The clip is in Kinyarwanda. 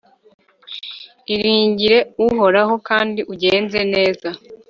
iringire uhoraho, kandi ugenze neza